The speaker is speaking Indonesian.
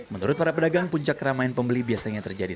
menurut para pedagang puncak keramaian pembeli biasanya terjadi